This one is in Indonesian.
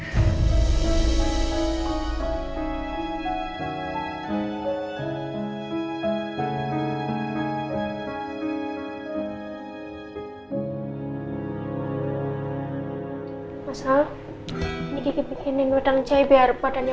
ini gigi bikinin lu dan jay biar badannya